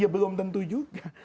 ya belum tentu juga